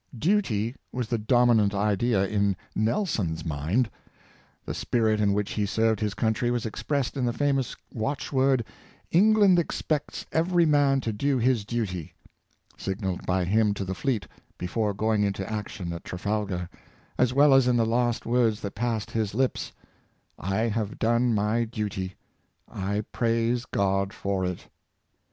Duty was the dominant idea in Nelson's mind. The spirit in which he served his country was expressed in the famous watch word, " England expects every man to do his duty," signalled by him to the fleet before going into action at Trafalgar, as well as in the last words that passed his lips —'' I have done my duty; I praise God for it!"